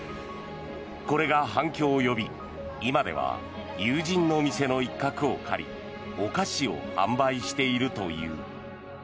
これが反響を呼び今では友人の店の一角を借りお菓子を販売しているという。